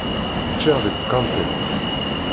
Ččiɣ deg tkantint.